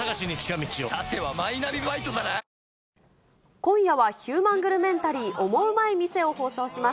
今夜はヒューマングルメンタリーオモウマい店を放送します。